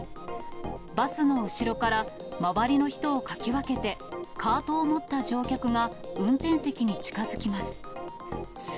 バスの後ろから周りの人をかき分けて、カートを持った乗客が運転席に近づきます。